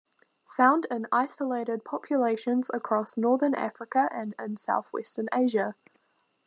Found in isolated populations across northern Africa and in southwestern Asia.